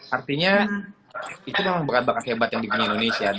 artinya itu memang bakat bakat hebat yang dibenahi indonesia